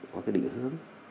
có cái định hướng